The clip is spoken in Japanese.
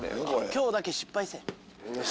今日だけ失敗せぇ。